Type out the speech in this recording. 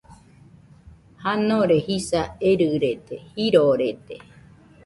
Janore jisa erɨrede, jirorede